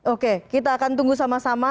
oke kita akan tunggu sama sama